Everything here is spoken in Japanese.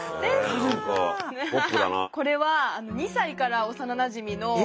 これは２歳から幼なじみの。